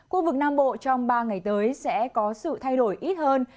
khu vực nam bộ trong ba ngày tới sẽ có sự thay đổi ít hơn